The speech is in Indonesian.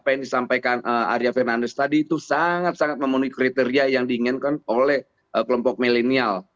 yang disampaikan arya fernandez tadi itu sangat memenuhi kriteria yang diinginkan oleh kelompok milenial